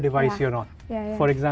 di apapun jenis perangkat anda